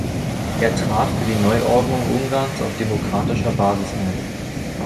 Er trat für die Neuordnung Ungarns auf demokratischer Basis ein.